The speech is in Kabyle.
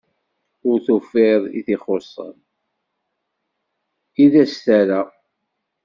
Ur tufiḍ i t-ixuṣṣen, i d as-terra.